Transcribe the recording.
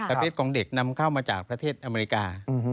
เพศของเด็กนำเข้ามาจากประเทศอเมริกา